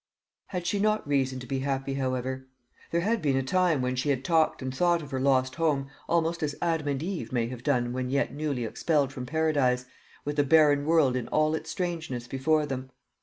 Had she not reason to be happy, however? There had been a time when she had talked and thought of her lost home almost as Adam and Eve may have done when yet newly expelled from Paradise, with the barren world in all its strangeness before them.